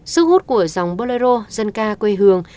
sức hút của dòng bolero dân ca quê hương